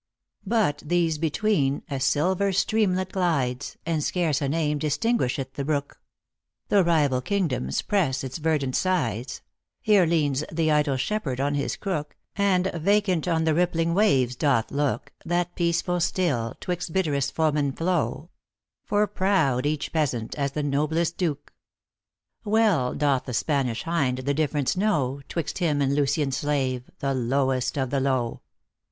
But these between, a silver streamlet glides, And scarce a name distinguished the brook ; Though rival kingdoms press its verdant sides, Here leans the idle shepherd on his crook, And vacant on the rippling waves doth look, That peaceful still twixt bitterest foemen flow, For proud each peasant as the noblest duke ; Well doth the Spanish hind the difference know Twixt him and Lusian slave, the lowest of the low."